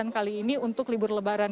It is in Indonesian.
kali ini untuk libur lebaran